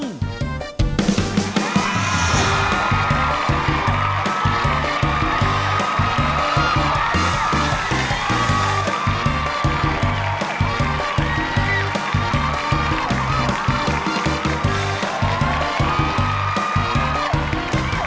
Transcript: และขอบคุณผู้ชม